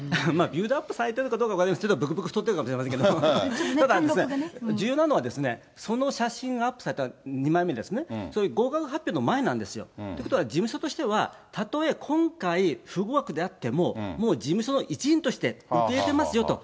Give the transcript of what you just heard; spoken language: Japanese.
ビルドアップされてるかどうかは分かりませんけど、ぶくぶく太ってるかもしれませんけど、ただ、重要なのはですね、その写真をアップされた、２枚目ですね、合格発表の前なんですよ。ということは、事務所としては、たとえ今回不合格であっても、もう事務所の一員として受け入れてますよと。